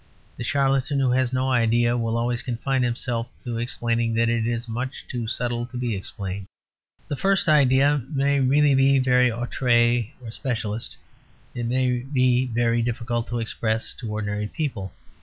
The charlatan who has no idea will always confine himself to explaining that it is much too subtle to be explained. The first idea may really be very outree or specialist; it may really be very difficult to express to ordinary people.